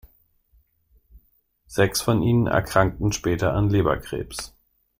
Sechs von ihnen erkrankten später an Leberkrebs.